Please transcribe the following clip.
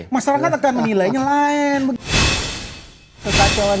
masyarakat akan menilainya lain